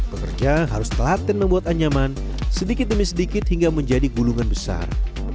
pekerja harus telaten membuat anyaman sedikit demi sedikit hingga menjadi gulungan besar